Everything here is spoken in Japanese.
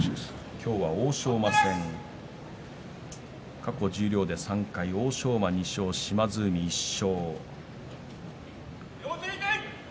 今日は欧勝馬、過去十両で３回、欧勝馬２勝島津海、１勝。